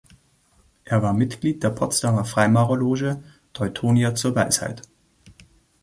Er war Mitglied der Potsdamer Freimaurerloge "Teutonia zur Weisheit".